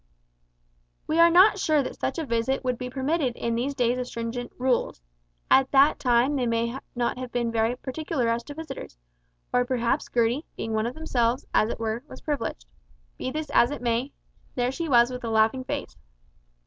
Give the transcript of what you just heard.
We are not sure that such a visit would be permitted in these days of stringent "rules;" at that time they may not have been very particular as to visitors, or perhaps Gertie, being one of themselves, as it were, was privileged. Be this as it may, there she was with a laughing face.